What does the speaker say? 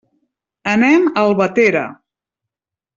Anem a Albatera.